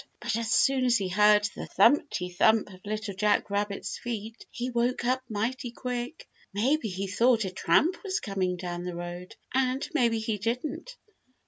But as soon as he heard the thumpty thump of Little Jack Rabbit's feet, he woke up mighty quick. Maybe he thought a tramp was coming down the road, and maybe he didn't.